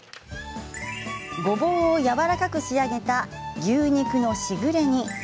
ゴボウをやわらかく仕上げた牛肉のしぐれ煮。